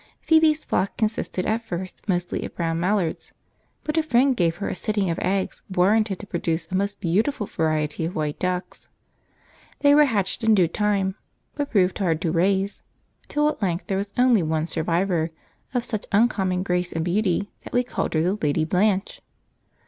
Phoebe's flock consisted at first mostly of Brown Mallards, but a friend gave her a sitting of eggs warranted to produce a most beautiful variety of white ducks. They were hatched in due time, but proved hard to raise, till at length there was only one survivor, of such uncommon grace and beauty that we called her the Lady Blanche.